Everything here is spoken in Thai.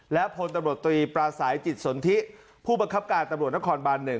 และพลตำรวจตรีปราศัยจิตสนทิผู้บังคับการตำรวจนครบาน๑